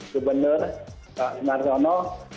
subender pak sunaryono